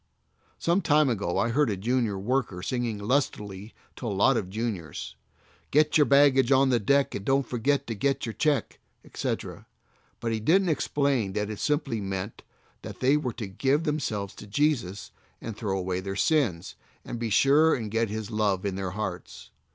Some time ago I heard a Junior worker singing lustily to a lot of juniors: Get your baggage on the deck And don't forget to get your check, SOUL WINNER AND CHILDREN. 139 etc., but he didn't explain that it simply meant that they were to give themselves to Jesus, and throw away their sins, and be sure and get His love in their hearts.